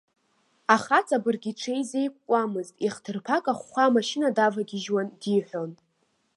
Ахаҵа бырг иҽизеиқәкуамызт, ихҭырԥа кахәхәа амашьына давагьежьуан, диҳәон.